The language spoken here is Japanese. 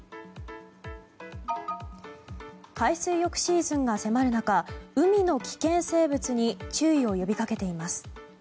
海水浴シーズンが迫る中海の危険生物に注意を呼び掛けています。